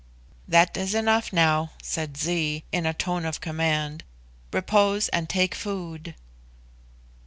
"That is enough now," said Zee, in a tone of command. "Repose and take food."